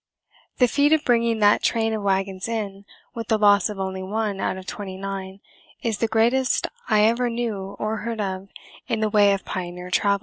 The feat of bringing that train of wagons in, with the loss of only one out of twenty nine, is the greatest I ever knew or heard of in the way of pioneer travel.